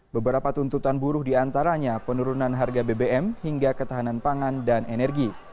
beberapa tuntutan buruh diantaranya penurunan harga bbm hingga ketahanan pangan dan energi